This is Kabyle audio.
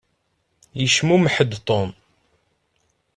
Yecmumeḥ-d Tom.